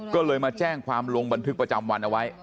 ก็เลยมาแจ้งความลงบันทึกประจำวันเอาไว้